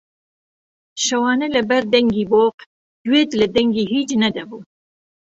شەوانە لەبەر دەنگی بۆق گوێت لە دەنگی هیچ نەدەبوو